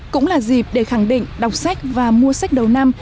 cũng là dịp để khẳng định đọc sách và mua sách đầu năm